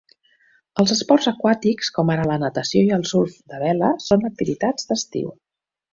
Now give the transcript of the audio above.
Els esports aquàtics com ara la natació i el surf de vela són activitats d'estiu.